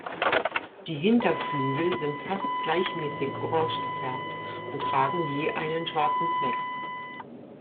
Die Hinterflügel sind fast gleichmäßig orange gefärbt und tragen je einen schwarzen Fleck.